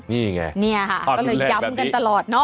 นี่ไงนี่ค่ะก็เลยย้ำกันตลอดเนาะ